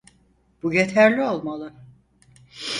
Bu yeterli olmalı.